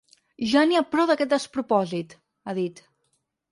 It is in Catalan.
“Ja n’hi ha prou d’aquest despropòsit”, ha dit.